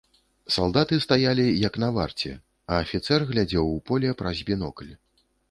Салдаты стаялі, як на варце, а афіцэр глядзеў у поле праз бінокль.